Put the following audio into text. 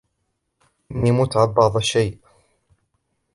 إني متعب بعض الشيء.